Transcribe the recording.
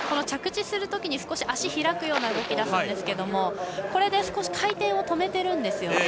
着地するときに少し足を開くような動きを出すんですが少し回転を止めているんです。